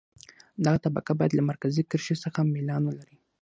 دغه طبقه باید له مرکزي کرښې څخه میلان ولري